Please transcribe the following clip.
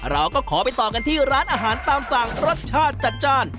เราก็ขอไปต่อกันที่ร้านอาหารตามสั่งรสชาติจัดจ้าน